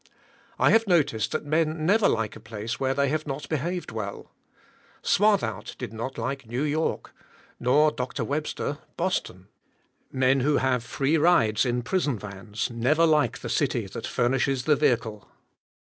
I have noticed that men never like a place where they have not behaved well. Swarthout did not like New York; nor Dr. Webster, Boston. Men who have free rides in prison vans never like the city that furnishes the vehicle.